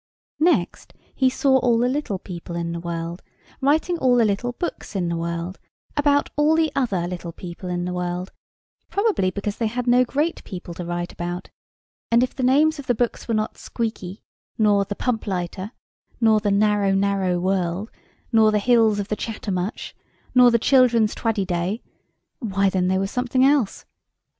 Next he saw all the little people in the world, writing all the little books in the world, about all the other little people in the world; probably because they had no great people to write about: and if the names of the books were not Squeeky, nor the Pump lighter, nor the Narrow Narrow World, nor the Hills of the Chattermuch, nor the Children's Twaddeday, why then they were something else.